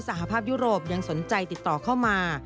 สหภาพยุโรปยังสนใจติดต่อเข้ามา